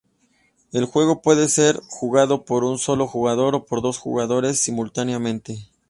El juego puede ser jugado por un solo jugador o por dos jugadores simultáneamente.